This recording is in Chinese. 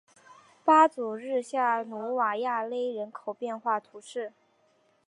巴祖日下努瓦亚勒人口变化图示